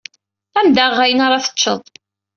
Ad am-d-aɣeɣ ayen ara teččeḍ.